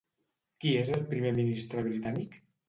Qui és el primer ministre britànic?